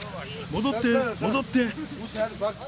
戻って、戻って。